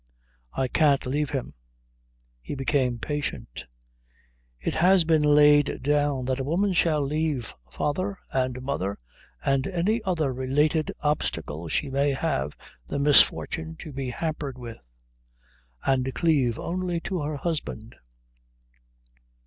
"I can't leave him." He became patient. "It has been laid down that a woman shall leave father and mother and any other related obstacle she may have the misfortune to be hampered with, and cleave only to her husband."